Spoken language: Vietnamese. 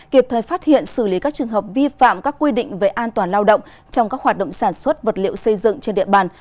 kịp thời phát hiện xử lý các trường hợp vi phạm các quy định về an toàn lao động trong các hoạt động sản xuất vật liệu xây dựng trên địa bàn